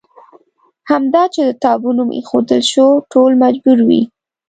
همدا چې د تابو نوم کېښودل شو ټول مجبور وي.